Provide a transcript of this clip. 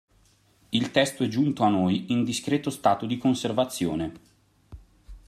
Il testo è giunto a noi in discreto stato di conservazione.